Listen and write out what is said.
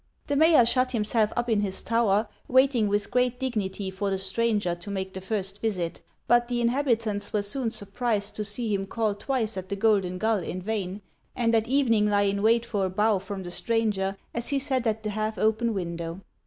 The mayor shut himself up in his tower, waiting with great dignity for the stranger to make the first visit ; but the inhabitants were soon surprised to see him call twice at the Golden Gull in vain, and at evening lie in wait for a bow from the stranger, as he sat at the half open window.